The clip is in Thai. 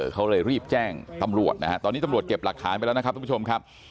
เขาเลยรีบแจ้งตำรวจนะฮะตอนนี้ตำรวจเก็บหลักฐานไปแล้วนะครับทุกผู้ชมครับ